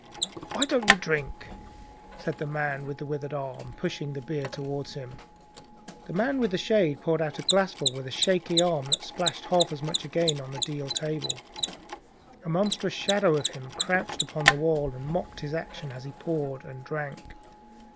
"Why don't you drink?" said the man with the withered arm, pushing the beer toward him. The man with the shade poured out a glassful with a shaking hand, that splashed half as much again on the deal table. A monstrous shadow of him crouched upon the wall, and mocked his action as he poured and drank.